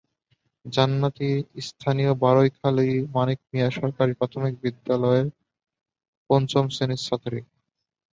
জান্নাতি স্থানীয় বারইখালী মানিক মিয়া সরকারি প্রাথমিক বিদ্যালয়ের পঞ্চম শ্রেণির ছাত্রী।